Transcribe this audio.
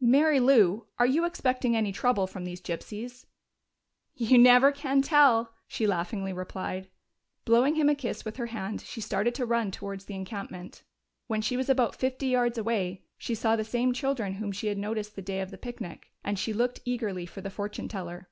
"Mary Lou, are you expecting any trouble from these gypsies?" "You never can tell!" she laughingly replied. Blowing him a kiss with her hand, she started to run towards the encampment. When she was about fifty yards away she saw the same children whom she had noticed the day of the picnic, and she looked eagerly for the fortune teller.